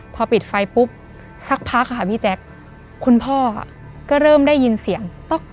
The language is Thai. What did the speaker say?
พอปิดไฟปุ๊บสักพักค่ะพี่แจ๊คคุณพ่อก็เริ่มได้ยินเสียงต๊อก